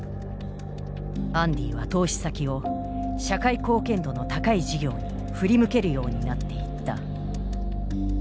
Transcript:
アンディは投資先を社会貢献度の高い事業に振り向けるようになっていった。